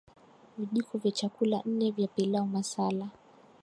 vijiko vya chakula nne vya pilau masala